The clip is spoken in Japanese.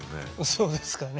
そうですかね。